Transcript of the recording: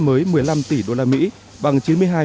mới một mươi năm tỷ đô la mỹ bằng chín mươi hai hai